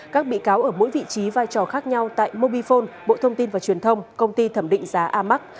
các bị cáo ở mỗi vị trí vai trò khác nhau tại mobifone bộ thông tin và truyền thông công ty thẩm định giá amac